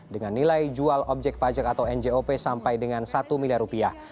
dengan nilai jual objek pajak atau njop sampai dengan satu miliar rupiah